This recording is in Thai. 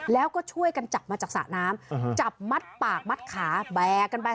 แล้วก็ช่วยกันจับมาจากสระน้ำจับมัดปากมัดขาแบกกันไป